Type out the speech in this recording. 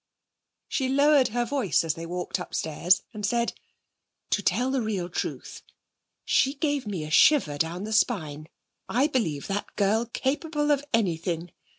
She lowered her voice as they walked upstairs, and said: 'To tell the real truth, she gave me a shiver down the spine. I believe that girl capable of anything.